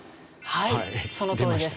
はいそのとおりです。